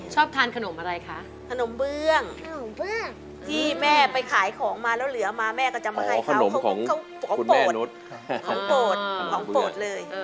ชอบทานขนมอะไรคะขนมเบื้องที่แม่ไปขายของมาแล้วเหลือมาแม่ก็จะมาให้เขาขนมของคุณแม่นุษย์ของโปรดเลย